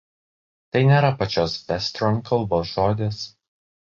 Tai nėra pačios Westron kalbos žodis.